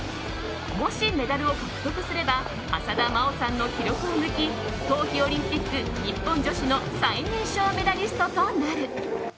もしメダルを獲得すれば浅田真央さんの記録を抜き冬季オリンピック日本女子の最年少メダリストとなる。